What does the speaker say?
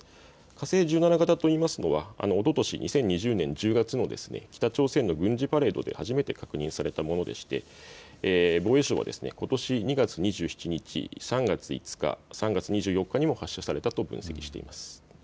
火星１７型といいますのはおととし２０２０年１０月の北朝鮮の軍事パレードで初めて確認されたものでして防衛省はことし２月２７日、３月５日、３月２４日にも発射されたと分析しています。